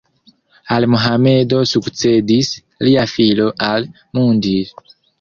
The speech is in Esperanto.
Al Mohamedo sukcedis lia filo Al-Mundir.